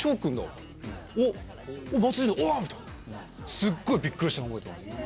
スゴいびっくりしたの覚えてます。